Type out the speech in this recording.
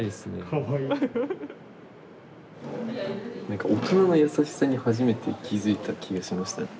なんか大人の優しさに初めて気付いた気がしましたね。